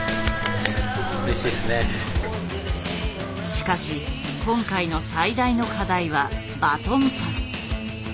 しかし今回の最大の課題はバトンパス。